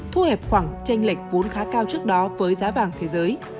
thu hẹp khoảng tranh lệch vốn khá cao trước đó với giá vàng thế giới